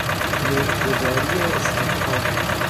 نرخگذاری استحقاق